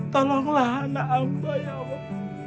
tolonglah anak amba ya allah